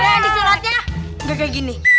ya disunatnya gak kayak gini